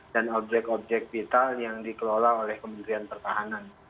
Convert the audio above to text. dan objek objek vital yang dikelola oleh kementerian pertahanan